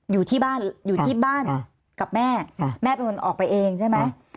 อยู่ที่บ้านกับแม่แม่เป็นคนออกไปเองใช่ไหม